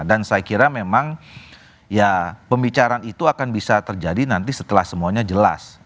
dan saya kira memang ya pembicaraan itu akan bisa terjadi nanti setelah semuanya jelas